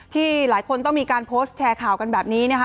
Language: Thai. ที่หลายคนต้องมีการโพสต์แชร์ข่าวกันแบบนี้นะคะ